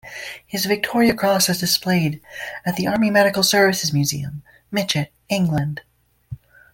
His Victoria Cross is displayed at the Army Medical Services Museum, Mytchett, England.